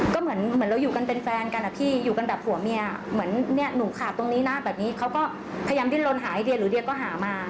ก็เหมือนเราอยู่กันเป็นแฟนกันอะพี่อยู่กันแบบผัวเมียเหมือนเนี่ยหนูขาดตรงนี้นะแบบนี้เขาก็พยายามดิ้นลนหาไอเดียหรือเดียก็หามา